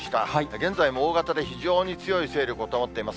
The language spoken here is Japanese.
現在も大型で非常に強い勢力を保っています。